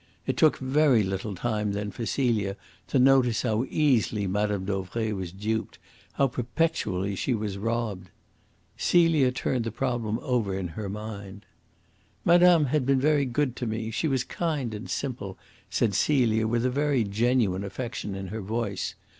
It took very little time then for Celia to notice how easily Mme. Dauvray was duped, how perpetually she was robbed. Celia turned the problem over in her mind. "Madame had been very good to me. She was kind and simple," said Celia, with a very genuine affection in her voice.